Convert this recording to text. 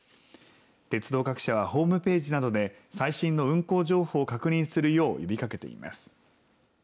鉄道各社はホームページなどで最新の運行情報を確認するよう呼びかけています。